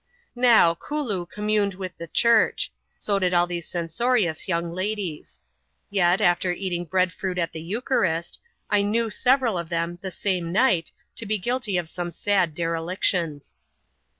Now, Kooloo communed with the church ; so did all these censorious young ladies. Yet, after eating bread fruit at the Eucharist, I knew several of them, the same night, to be guilty of some sad derelictions.